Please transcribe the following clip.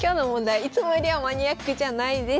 いつもよりはマニアックじゃないです。